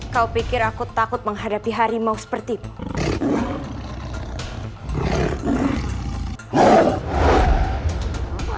kau pikir aku takut menghadapi harimau seperti itu